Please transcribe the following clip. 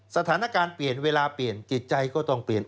สถานการณ์เปลี่ยนเวลาเปลี่ยนจิตใจก็ต้องเปลี่ยน